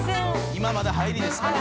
今まだ入りですから。